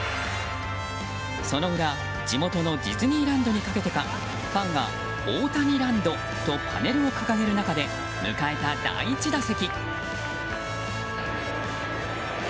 その裏、地元のディズニーランドにかけてかファンがオオタニランドとパネルを掲げる中で迎えた、第１打席。